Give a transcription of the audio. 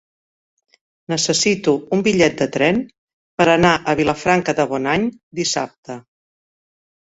Necessito un bitllet de tren per anar a Vilafranca de Bonany dissabte.